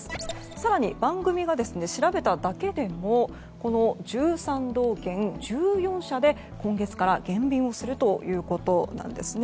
更に番組が調べただけでも１３道県１４社で、今月から減便するということです。